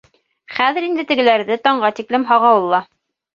Хәҙер инде тегеләрҙе таңға тиклем һағауылла.